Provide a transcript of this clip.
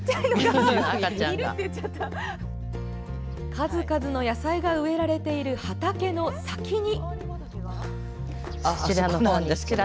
数々の野菜が植えられている畑の先に。